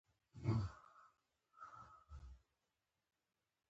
ښارونه د چاپیریال ساتنې لپاره ډېر مهم دي.